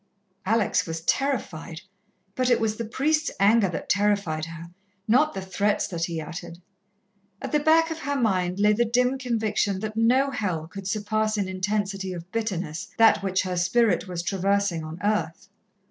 Alex was terrified, but it was the priest's anger that terrified her, not the threats that he uttered. At the back of her mind, lay the dim conviction that no Hell could surpass in intensity of bitterness that which her spirit was traversing on earth.